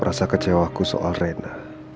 rasa kecewaku soal rena